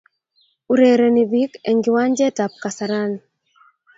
Urereni pik en kiwajentab kasarani